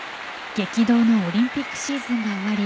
激動のオリンピックシーズンが終わり